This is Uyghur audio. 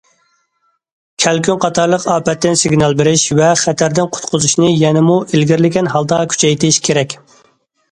كەلكۈن قاتارلىق ئاپەتتىن سىگنال بېرىش ۋە خەتەردىن قۇتقۇزۇشنى يەنىمۇ ئىلگىرىلىگەن ھالدا كۈچەيتىش كېرەك.